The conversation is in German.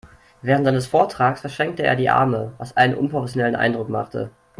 Während seines Vortrages verschränkte er die Arme, was einen unprofessionellen Eindruck machte.